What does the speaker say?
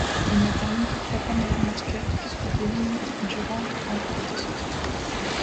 Il ne termine toutefois pas meilleur marqueur puisque Kevin Durant remporte ce titre.